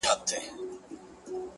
دې میدان کي د چا نه دی پوروړی!